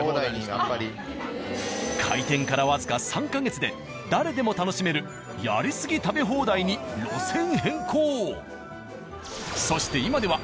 開店からわずか３か月で誰でも楽しめるやりすぎ食べ放題に路線変更。